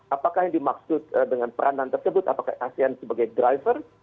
apakah yang dimaksud dengan peranan tersebut apakah asean sebagai driver